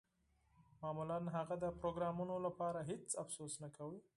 معمولاً هغه د پروګرامرانو لپاره هیڅ افسوس نه کاوه